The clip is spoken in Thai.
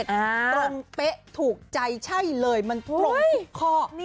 ตรงเป๊ะถูกใจใช่เลยมันตรงทุกข้อ